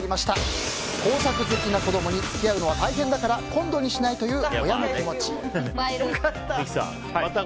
工作が好きな子供に付き合うのは大変だから今度にしない？と三木さん